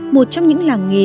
một trong những làng nghề